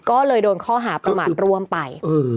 ก็เลยโดนข้อหาประมาทร่วมไป